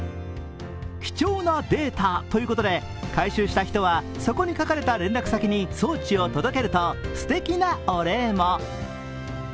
貴重なデータということで、回収した人は、そこに書かれた連絡先に装置を届けると、すてきなお礼も。